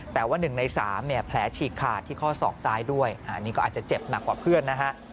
แต่ว่า๑ใน๓เนี่ยแผลฉีกขาดที่ข้อศอกซ้ายด้วยอันนี้ก็อาจจะเจ็บหนักกว่าเพื่อนนะฮะ